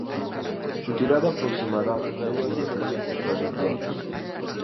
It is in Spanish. Su tirada aproximada es de diez mil ejemplares diarios.